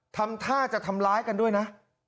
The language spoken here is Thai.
ทำท่าจะทำร้ายกันด้วยนะ